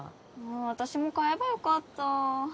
私も買えばよかった。